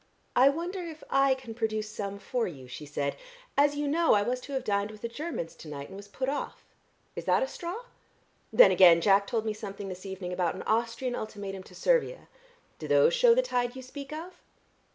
"I wonder if I can produce some for you," she said. "As you know, I was to have dined with the Germans to night and was put off. Is that a straw? Then, again, Jack told me something this evening about an Austrian ultimatum to Servia. Do those shew the tide you speak of?"